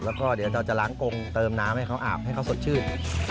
แล้วก็เดี๋ยวเราจะล้างกงเติมน้ำให้เขาอาบให้เขาสดชื่น